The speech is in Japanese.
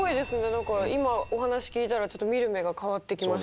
だから今お話聞いたらちょっと見る目が変わってきました。